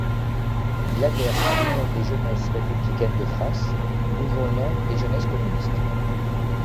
Il adhère à l'Union des jeunesses républicaines de France, nouveau nom des Jeunesses communistes.